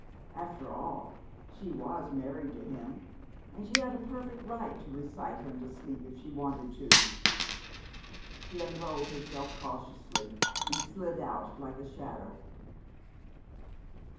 After all, she was married to him, and she had a perfect right to recite him to sleep if she wanted to. She unrolled herself cautiously, and slid out like a shadow.